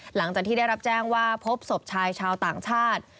หลังจากที่ได้รับแจ้งว่าพบศพชายชาวต่างชาติ